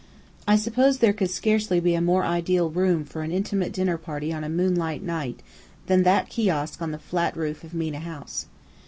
I suppose there could scarcely be a more ideal room for an intimate dinner party on a moonlight night than that kiosk on the flat roof of Mena House.